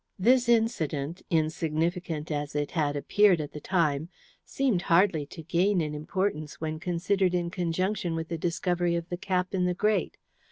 This incident, insignificant as it had appeared at the time, seemed hardly to gain in importance when considered in conjunction with the discovery of the cap in the grate.